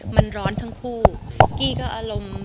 มันร้อนทั้งคู่กี้ก็อารมณ์